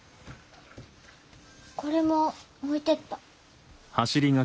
これも置いてった。